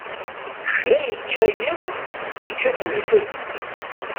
Kra yekka yiḍ, yekkat udfel.